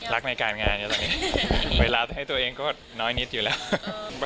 รักในการงานตอนนี้เวลาให้ตัวเองก็น้อยนิดอยู่แล้ว